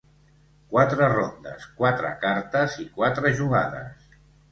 Quatre rondes, quatre cartes i quatre jugades.